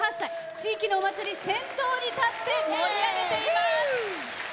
地域のお祭り、先頭に立って盛り上げています。